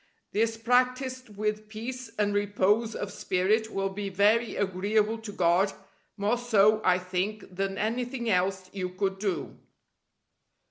This practised with peace and repose of spirit will be very agreeable to God, more so, I think, than anything else you could do.